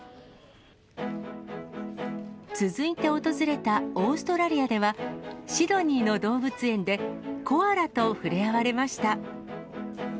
続いて訪れたオーストラリアでは、シドニーの動物園で、コアラと触れ合われました。